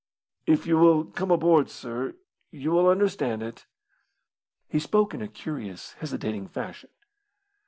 "If you will come aboard, sir, you will understand it." He spoke in a curious, hesitating fashion.